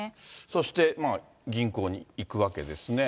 そして、銀行に行くわけですね。